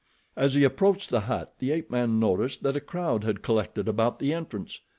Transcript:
As he approached the hut, the ape man noticed that a crowd had collected about the entrance.